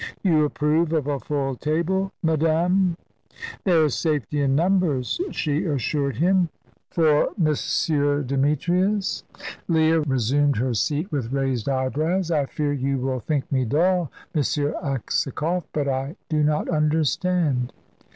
"You approve of a full table, madame?" "There is safety in numbers," she assured him. "For M. Demetrius?" Leah resumed her seat with raised eyebrows. "I fear you will think me dull, M. Aksakoff, but I do not understand."